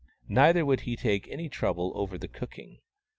Neither would he take any trouble over the cooking.